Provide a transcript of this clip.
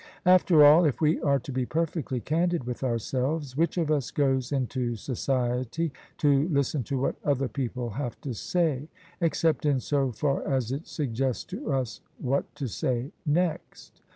After all — if we are to be perfectly candid with ourselves — ^which of us goes into society to listen to what other people have to say, except in so far as it sug gests to us what to say next?